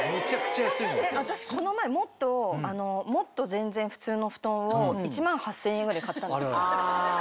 私この前もっともっと全然普通の布団を１万８０００円ぐらい買ったんですよ。